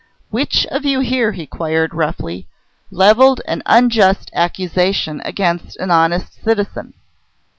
"Which of you here," he queried roughly, "levelled an unjust accusation against an honest citizen?"